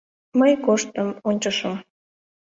Мый коштым, ончышым.